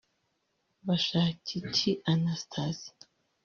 Bashakiki Anastasie